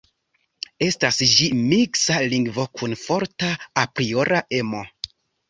Estas ĝi miksa lingvo kun forta apriora emo.